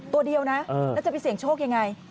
ตัวเดียวนะแล้วจะไปเสี่ยงโชคยังไง